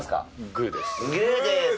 グーです